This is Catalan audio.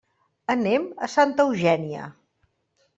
Anem a Santa Eugènia.